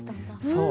そう。